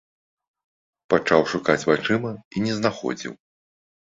Пачаў шукаць вачыма і не знаходзіў.